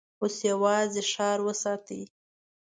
اوس يواځې ښار وساتئ!